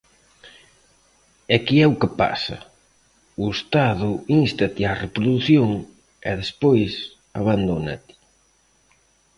É que é o que pasa, o Estado ínstate á reprodución e despois abandónate.